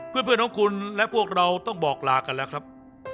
เพื่อนของคุณและพวกเราต้องบอกลากันแล้วครับ